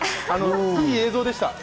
いい映像でした。